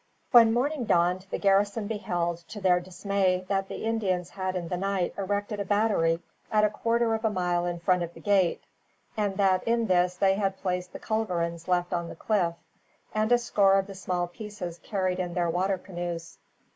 When morning dawned the garrison beheld, to their dismay, that the Indians had in the night erected a battery at a quarter of a mile in front of the gate, and that in this they had placed the culverins left on the cliff, and a score of the small pieces carried in their war canoes.